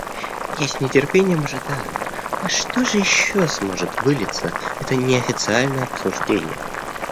Я с нетерпением ожидаю, во что же еще сможет вылиться это неофициальное обсуждение.